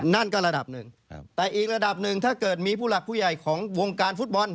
นั่นก็ระดับหนึ่งแต่อีกระดับหนึ่งถ้าเกิดมีผู้หลักผู้ใหญ่ของวงการฟุตบอล